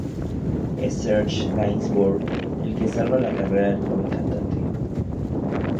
Es Serge Gainsbourg el que salva la carrera del joven cantante.